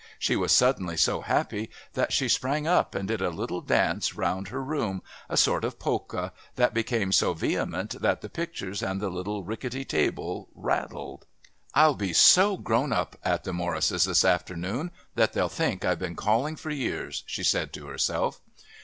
She was suddenly so happy that she sprang up and did a little dance round her room, a sort of polka, that became so vehement that the pictures and the little rickety table rattled. "I'll be so grown up at the Morrises' this afternoon that they'll think I've been calling for years," she said to herself.